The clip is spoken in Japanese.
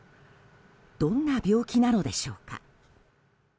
どんな病気なのでしょうか。